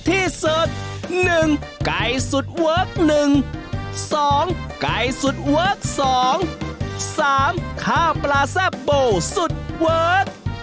ที่สุด๑ไก่สุดเวิร์ค๑๒ไก่สุดเวิร์ค๒๓ข้าวปลาแซ่บโบสุดเวิร์ค